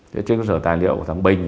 trên cơ sở tài liệu của thằng bình